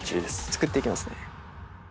作っていきますね。